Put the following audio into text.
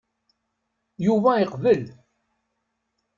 Yuba iqbel.